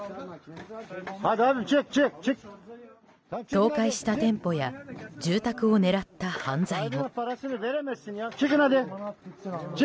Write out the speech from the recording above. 倒壊した店舗や住宅を狙った犯罪も。